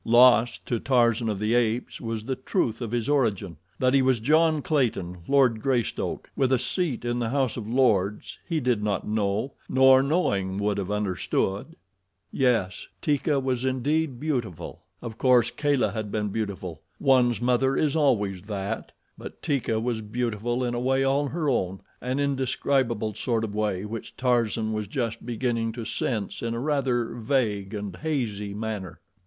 Lost to Tarzan of the Apes was the truth of his origin. That he was John Clayton, Lord Greystoke, with a seat in the House of Lords, he did not know, nor, knowing, would have understood. Yes, Teeka was indeed beautiful! Of course Kala had been beautiful one's mother is always that but Teeka was beautiful in a way all her own, an indescribable sort of way which Tarzan was just beginning to sense in a rather vague and hazy manner.